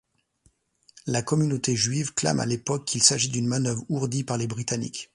La communauté juive clame à l'époque qu'il s'agit d'une manœuvre ourdie par les Britanniques.